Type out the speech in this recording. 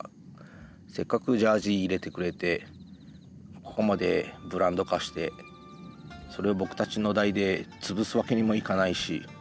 せっかくジャージー入れてくれてここまでブランド化してそれを僕たちの代で潰すわけにもいかないし。